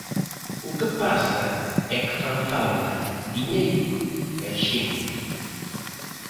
O que pasa é que fan falta diñeiro e xente.